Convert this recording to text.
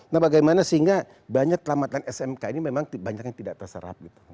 nah bagaimana sehingga banyak kelamatan smk ini memang banyak yang tidak terserap gitu